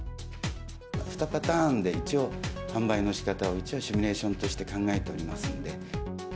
２パターンで一応、販売のしかたを一応シミュレーションとして考えておりますので。